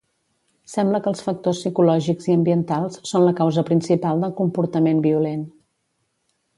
Sembla que els factors psicològics i ambientals són la causa principal del comportament violent.